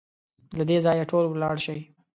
له دې ځايه ټول ولاړ شئ!